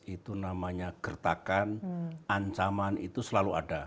itu namanya gertakan ancaman itu selalu ada